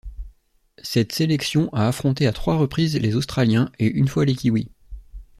Cette sélection a affronté à trois reprises les australiens et une fois les Kiwis.